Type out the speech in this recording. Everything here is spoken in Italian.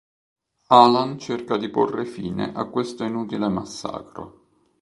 Alan cerca di porre fine a questo inutile massacro.